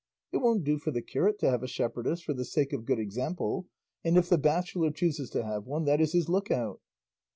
It won't do for the curate to have a shepherdess, for the sake of good example; and if the bachelor chooses to have one, that is his look out."